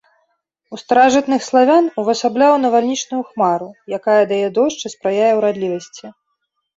У старажытных славян увасабляў навальнічную хмару, якая дае дождж і спрыяе ўрадлівасці.